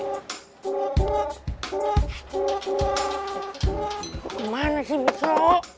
kemana sih misro